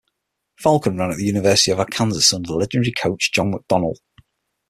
Falcon ran at the University of Arkansas under legendary coach John McDonnell.